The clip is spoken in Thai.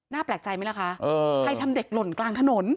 แปลกใจไหมล่ะคะใครทำเด็กหล่นกลางถนน